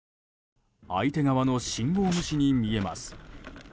相手側の信号無視に見えます。